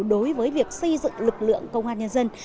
đối với việc xây dựng lực lượng công an nhân dân